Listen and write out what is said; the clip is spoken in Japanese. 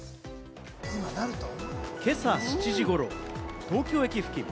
今朝７時頃、東京駅付近。